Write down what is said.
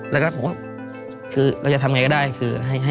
เราอย่าทำอะไรก็ได้